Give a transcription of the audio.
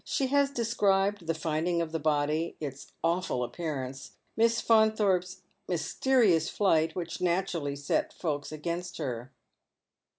She has described the tinding of the body — its awful appearance — Miss Faunthorpe's mysterious flight, "which naturally set folks against her."